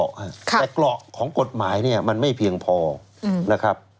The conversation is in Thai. แต่กร่อของกฎหมายมันไม่เพียงพอนะครับ